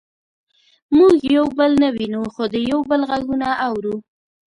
موږ یو بل نه وینو خو د یو بل غږونه اورو